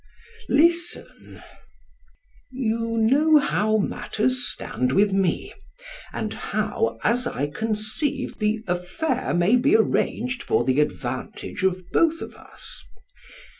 PHAEDRUS: Listen. You know how matters stand with me; and how, as I conceive, this affair may be arranged for the advantage of both of us.